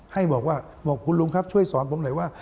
ให้บอกว่าบอกคุณลุงครับช่วยสอนผมหน่อยว่า